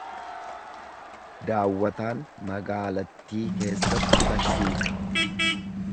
Daawwataan magaalattii keessatti barsiisa.